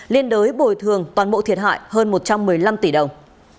liên đối bồi thường toàn bộ thiệt hại hơn một trăm một mươi năm tỷ đồng